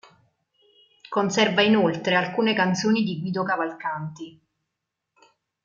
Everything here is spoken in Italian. Conserva inoltre alcune canzoni di Guido Cavalcanti.